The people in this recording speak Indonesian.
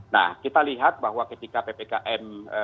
nah kita lihat bahwa ketika ppkm